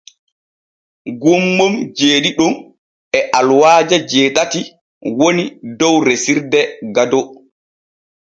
Gommon jeeɗiɗon e aluwaaje jeetati woni dow resirde Gado.